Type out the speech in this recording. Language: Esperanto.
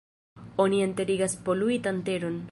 Oni enterigas poluitan teron.